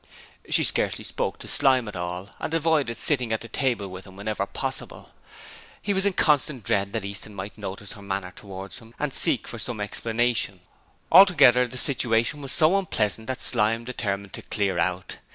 She scarcely spoke to Slyme at all, and avoided sitting at the table with him whenever possible. He was in constant dread that Easton might notice her manner towards him, and seek for some explanation. Altogether the situation was so unpleasant that Slyme determined to clear out.